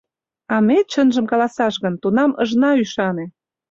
А ме, чынжым каласаш гын, тунам ыжна ӱшане.